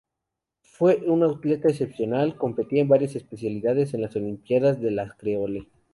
Fue un atleta excepcional, competía en varias especialidades en las olimpíadas de la Creole.